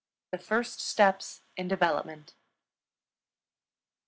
THE FIRST STEPS IN DEVELOPMENT.